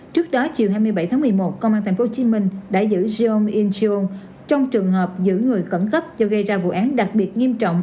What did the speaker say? trước đó chiều hai mươi bảy tháng một mươi một công an tp hcm đã giữ zyom incheon trong trường hợp giữ người khẩn cấp do gây ra vụ án đặc biệt nghiêm trọng